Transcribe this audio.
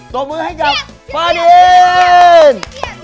ตบมือให้กับฝ่าดิน